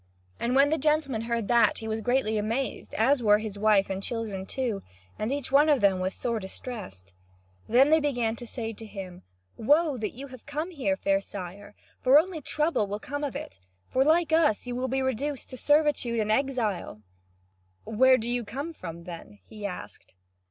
And when the gentleman heard that, he was greatly amazed, as were his wife and children too, and each one of them was sore distressed. Then they began to say to him: "Woe that you have come here, fair sire, for only trouble will come of it! For, like us, you will be reduced to servitude and exile." "Where do you come from, then?" he asked.